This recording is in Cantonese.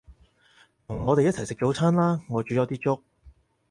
同我哋一齊食早餐啦，我煮咗啲粥